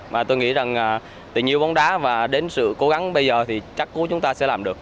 và tôi nghĩ rằng tình yêu bóng đá và đến sự cố gắng bây giờ thì chắc cú chúng ta sẽ làm được